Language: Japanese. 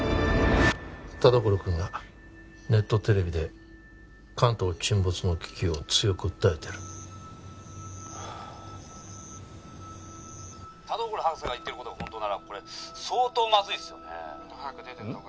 田所君がネットテレビで関東沈没の危機を強く訴えてる田所博士が言ってることが本当ならこれ相当マズイっすよねうん？